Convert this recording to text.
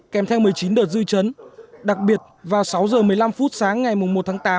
kèm theo một mươi chín đợt dư chấn đặc biệt vào sáu giờ một mươi năm phút sáng ngày một tháng tám